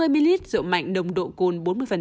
hai mươi ml rượu mạnh nồng độ cồn bốn mươi